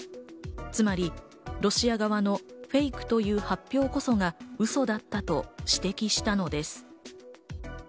つまり、ロシア側のフェイクという発表こそがウソだったと指摘したのです。